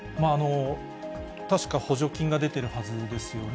確か補助金が出てるはずですよね。